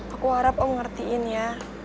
aku harap aku ngertiin ya